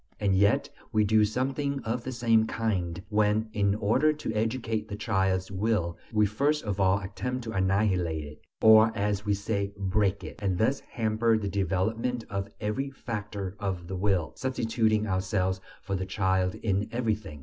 And yet we do something of the same kind when, in order to educate the child's "will," we first of all attempt to annihilate it, or, as we say, "break" it, and thus hamper the development of every factor of the will, substituting ourselves for the child in everything.